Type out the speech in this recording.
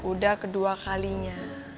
udah kedua kalinya